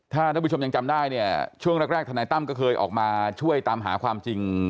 ถ้าท่านผู้ชมยังจำได้เนี่ยช่วงแรกธนายตั้มก็เคยออกมาช่วยตามหาความจริง